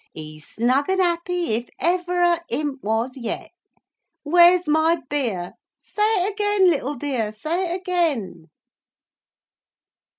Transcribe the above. He's snug and happy if ever a imp was yet. 'Where's my beer!'—say it again, little dear, say it again!"